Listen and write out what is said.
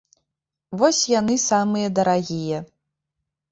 Вось яны самыя дарагія.